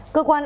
cơ quan án tù